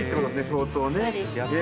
相当ね